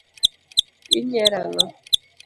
Inyiero ang’o?